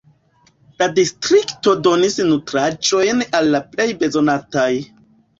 La distrikto donis nutraĵojn al la plej bezonataj.